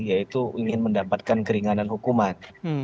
yaitu ingin mendapatkan keringanan hukuman